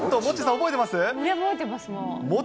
覚えてます、もう。